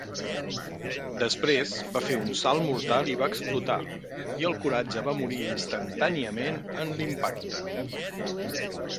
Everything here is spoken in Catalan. Després va fer un salt mortal i va explotar, i el coratge va morir instantàniament en l'impacte.